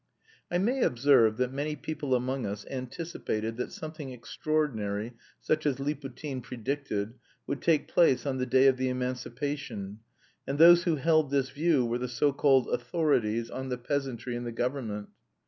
I may observe that many people among us anticipated that something extraordinary, such as Liputin predicted, would take place on the day of the emancipation, and those who held this view were the so called "authorities" on the peasantry and the government.